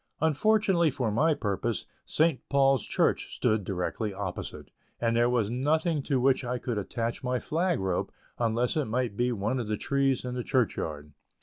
Unfortunately for my purpose, St. Paul's Church stood directly opposite, and there was nothing to which I could attach my flag rope, unless it might be one of the trees in the church yard.